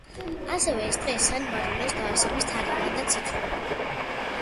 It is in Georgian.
ასევე ეს დღე სან მარინოს დაარსების თარიღადაც ითვლება.